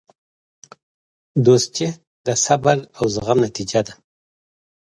دوستي د صبر او زغم نتیجه ده.